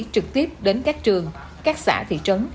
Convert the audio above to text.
trực tiếp đến các trường các xã thị trấn